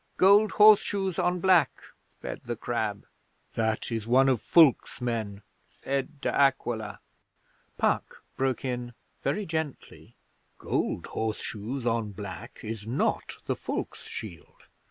'"Gold horseshoes on black," said the Crab. '"That is one of Fulke's men," said De Aquila.' Puck broke in very gently, 'Gold horseshoes on black is not the Fulkes' shield.